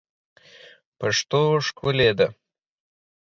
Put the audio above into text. پښتو ښکلې ده